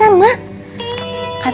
katanya teh waktu minggu kemaren